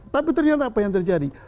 tapi ternyata apa yang terjadi